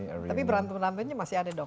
tapi berantem berantemnya masih ada dong